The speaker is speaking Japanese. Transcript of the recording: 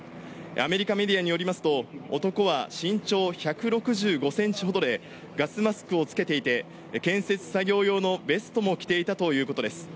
アメリカメディアによりますと男は身長１６５ｃｍほどでガスマスクを着けていて建設作業用のベストも着ていたということです。